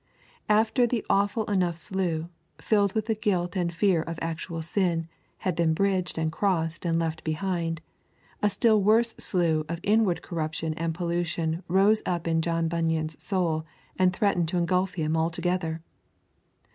After the awful enough slough, filled with the guilt and fear of actual sin, had been bridged and crossed and left behind, a still worse slough of inward corruption and pollution rose up in John Bunyan's soul and threatened to engulf him altogether.